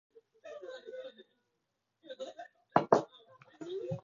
バスケットボールしませんか？